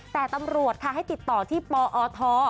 แต่ตำรวจค่ะให้ติดต่อที่ปอท